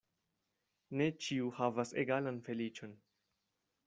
Ne ĉiu havas egalan feliĉon.